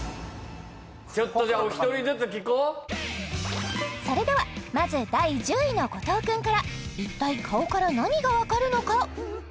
ちょっとじゃあそれではまず第１０位の後藤くんから一体顔から何が分かるのか？